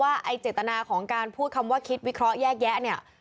ไอ้เจตนาของการพูดคำว่าคิดวิเคราะห์แยกแยะเนี่ย